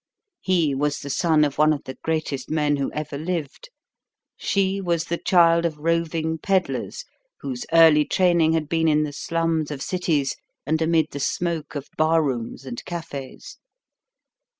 He was the son of one of the greatest men who ever lived. She was the child of roving peddlers whose early training had been in the slums of cities and amid the smoke of bar rooms and cafes.